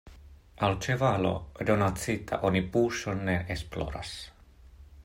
Al ĉevalo donacita oni buŝon ne esploras.